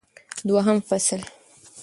دوهم فصل